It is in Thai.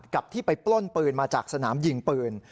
กับที่ไปปล้นปืนมาจากสนามยิงปืน